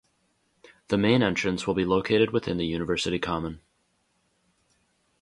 The main entrance will be located within the university common.